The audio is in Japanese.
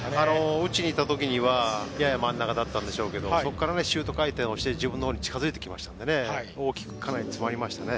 打ちにいった時にはやや真ん中だったんでしょうけどそこからシュート回転して自分の方に近づいてきたので大きく詰まりましたね。